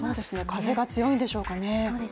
風が強いんでしょうかね。